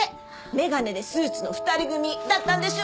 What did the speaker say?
眼鏡でスーツの２人組だったんでしょ？